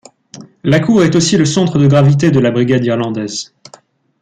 La cour est aussi le centre de gravité de la Brigade irlandaise.